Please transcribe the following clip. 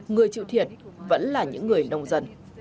người chịu thiệt vẫn là những người đồng ý